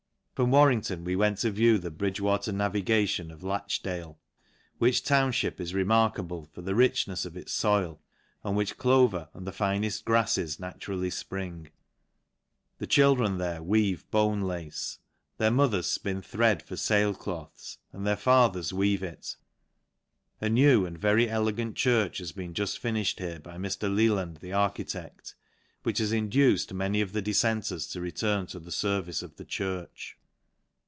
From Warrington we went to view the Bridgwater navigation ot'Lachlade, which townfhip is remarka ble L A N C ASH I RE. 273 »]"e for the richnefs of its foil, on which clover and he fined grafles naturally fpring. The children lere weave hone lace, their mothers fpin thread for ai] cloths, and their fathers weave it. A new and cry elegant church has been juft finifhed here by vlr. Ldand the architect, which has induced many >f the difTenters to return to the fervice of the :hurch.